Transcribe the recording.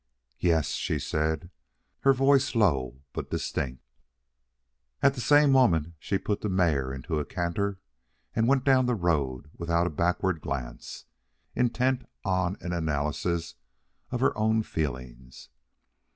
"Yes," she said, her voice low but distinct. At the same moment she put the mare into a canter and went down the road without a backward glance, intent on an analysis of her own feelings.